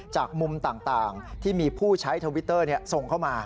จากมุมต่างที่มีผู้ใช้ทวิตเตอร์ส่งเข้ามา